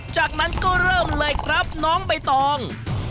จากนั้นก็เริ่มเลยครับน้องใบตอง